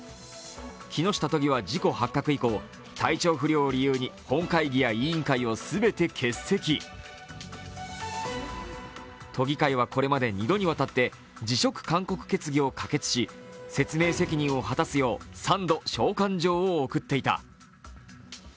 木下都議は事故発覚直後、都議会はこれまで２度にわたって辞職勧告決議を可決し説明責任を果たすよう３度召喚状を送っていた。